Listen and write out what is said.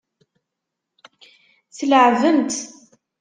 Tleεεbem-tt.